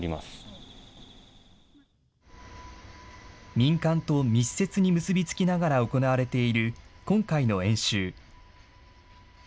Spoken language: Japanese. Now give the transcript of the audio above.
民間と密接に結び付きながら行われている、今回の演習。